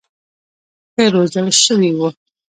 ښه روزل شوي وو.